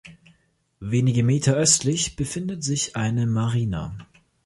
Wenige Meter östlich befindet sich eine Marina.